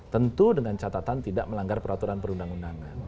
tentu dengan catatan tidak melanggar peraturan perundang undangan